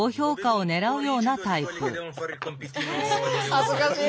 恥ずかしい！